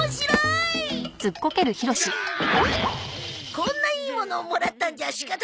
こんないいものをもらったんじゃ仕方ない。